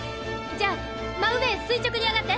じゃあ真上へ垂直に上がって！